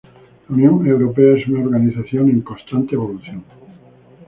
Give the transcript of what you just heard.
La Unión Europea es una organización en constante evolución.